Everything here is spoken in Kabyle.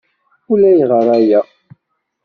Ulayɣer aya.